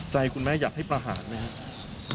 ใจคุณแม่อยากให้ประหารไหมครับ